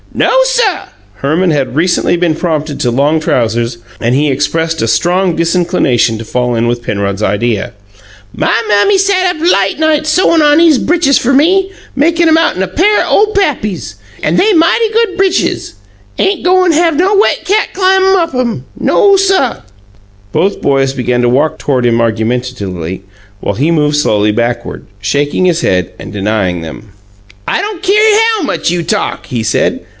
"No, suh!" Herman had recently been promoted to long trousers, and he expressed a strong disinclination to fall in with Penrod's idea. "My Mammy sit up late nights sewin' on 'ese britches fer me, makin' 'em outen of a pair o' pappy's, an' they mighty good britches. Ain' goin' have no wet cat climbin' up 'em! No, suh!" Both boys began to walk toward him argumentatively, while he moved slowly backward, shaking his head and denying them. "I don't keer how much you talk!" he said.